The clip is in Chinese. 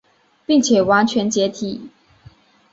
并且完全解体。